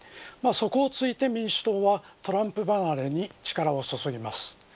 そこを突いて民主党はトランプ離れに力を注ぎます。